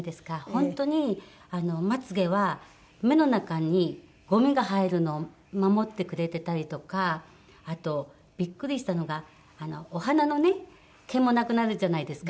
本当にまつ毛は目の中にゴミが入るのを守ってくれてたりとかあとビックリしたのがお鼻のね毛もなくなるじゃないですか。